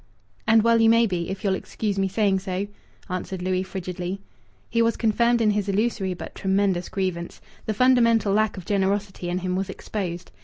"And well you may be, if you'll excuse me saying so!" answered Louis frigidly. He was confirmed in his illusory but tremendous grievance. The fundamental lack of generosity in him was exposed.